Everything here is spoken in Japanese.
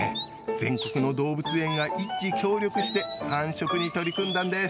全国の動物園が一致協力して繁殖に取り組んだんです。